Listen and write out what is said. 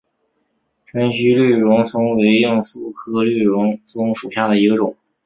滇西绿绒蒿为罂粟科绿绒蒿属下的一个种。